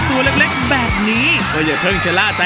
พี่เชียช์ถือให้หน่อยนะค่ะ